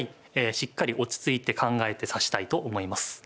しっかり落ち着いて考えて指したいと思います。